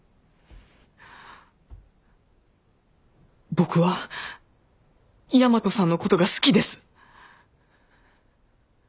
僕は大和さんのことが好きです。